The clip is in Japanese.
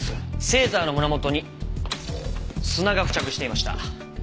セーターの胸元に砂が付着していました。